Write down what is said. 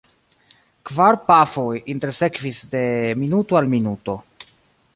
Kvar pafoj intersekvis de minuto al minuto.